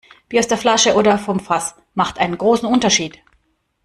Bier aus der Flasche oder vom Fass macht einen großen Unterschied.